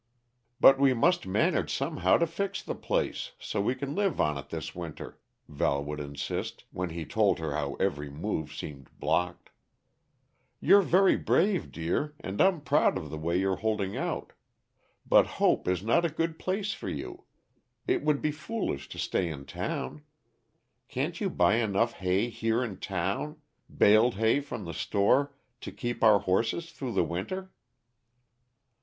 "But we must manage somehow to fix the place so we can live on it this winter," Val would insist, when he told her how every move seemed blocked. "You're very brave, dear, and I'm proud of the way you are holding out but Hope is not a good place for you. It would be foolish to stay in town. Can't you buy enough hay here in town baled hay from the store to keep our horses through the winter?"